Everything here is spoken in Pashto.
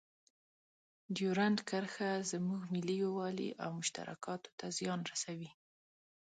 ډیورنډ کرښه زموږ ملي یووالي او مشترکاتو ته زیان رسوي.